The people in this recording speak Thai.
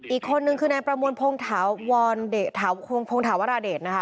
อีกคนนึงคือในประมวลพงศาวราเดช